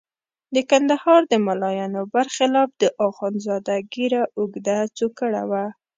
د کندهار د ملایانو برخلاف د اخندزاده ږیره اوږده څوکړه وه.